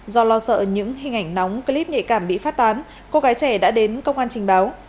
do lo sợ những hình ảnh nóng clip nhạy cảm bị phát tán cô gái trẻ đã đến công an trình báo